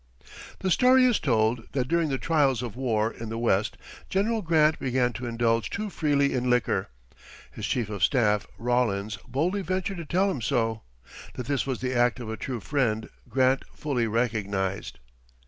The story is told that during the trials of war in the West, General Grant began to indulge too freely in liquor. His chief of staff, Rawlins, boldly ventured to tell him so. That this was the act of a true friend Grant fully recognized.